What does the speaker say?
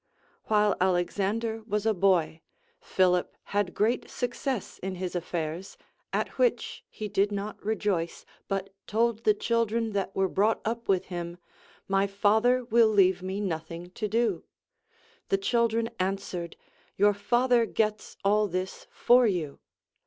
While Alexander was a boy, Philip 'had great success in his affairs, at which, he did not rejoice, bat told the children that Avere brought up with him, My father "will leave me nothing to do. The children answered, Your father gets all this for you.